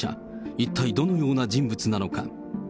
一体どのような人物なのか。